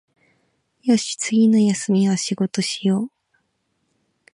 よし、次の休みは仕事しよう